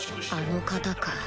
「あの方」か